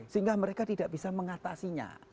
sehingga mereka tidak bisa mengatasinya